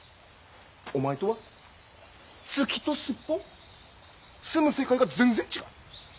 お前とは月とスッポン住む世界が全然違う。